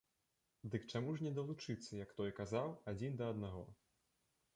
Дык чаму ж не далучыцца, як той казаў, адзін да аднаго?